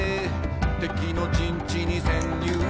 「敵の陣地に潜入」